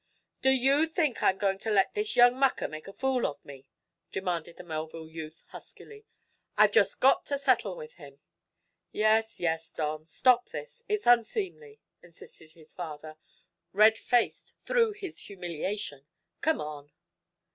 "Do you think I'm going to let this young mucker make a fool of me?" demanded the Melville youth, huskily. "I've just got to settle with him." "Yes, yes, Don; stop this. It's unseemly," insisted his father, red faced through his humiliation. "Come on!"